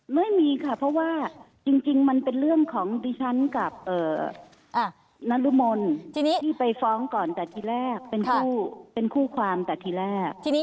ไม่มีค่ะเพราะว่าจริงมันเป็นเรื่องของดิฉันกับนรมนที่ไปฟ้องก่อนแต่ทีแรกเป็นคู่ความแต่ทีแรก